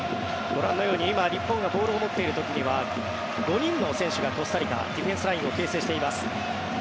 ご覧のように今、日本がボールを持っている時には５人の選手が、コスタリカはディフェンスラインを形成しています。